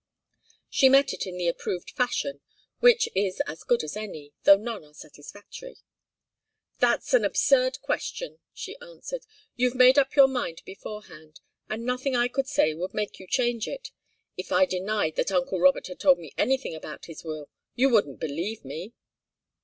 She met it in the approved fashion, which is as good as any, though none are satisfactory. "That's an absurd question," she answered. "You've made up your mind beforehand, and nothing I could say would make you change it. If I denied that uncle Robert had told me anything about his will, you wouldn't believe me."